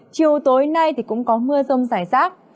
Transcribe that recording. chiều tối nay thì cũng có mưa rông rải rác